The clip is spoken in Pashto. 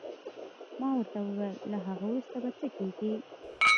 ما ورته وویل: له هغه وروسته به څه کېږي؟